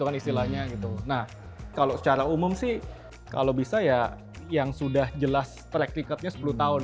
nah kalau secara umum sih kalau bisa ya yang sudah jelas track recordnya sepuluh tahun